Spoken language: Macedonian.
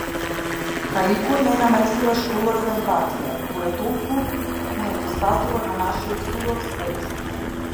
Хаику е ненаметлива школа за емпатија, која толку му недостасува на нашиов суров свет.